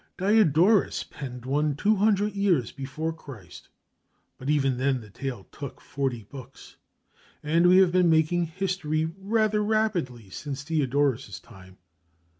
Diodorus penned one two hundred years before Christ. But even then the tale took forty books; and we have been making history rather rapidly since Diodorus' time.